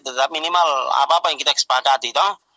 tetap minimal apa apa yang kita kesepakati